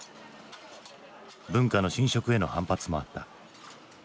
文化の侵食への反発もあった。